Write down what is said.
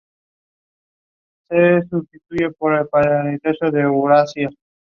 Sólo se encuentra en Madagascar, en la isla Mayotte y en las islas Comores.